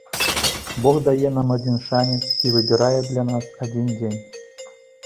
Бог дае нам адзін шанец і выбірае для нас адзін дзень.